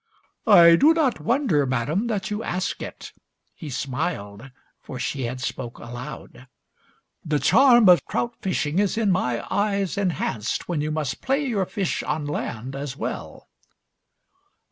"I do not wonder, Madam, that you ask it." He smiled, for she had spoke aloud. "The charm Of trout fishing is in my eyes enhanced When you must play your fish on land as well."